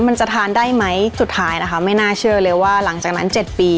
มันจะทานได้ไหมสุดท้ายนะคะไม่น่าเชื่อเลยว่าหลังจากนั้น๗ปี